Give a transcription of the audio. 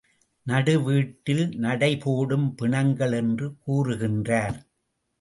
நடுவீட்டில் நடை போடும் பிணங்கள் என்று கூறுகின்றார்.